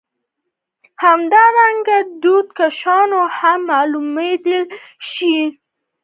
همدارنګه دودکشونه هم معلومېدل، چې دود ترې وتل.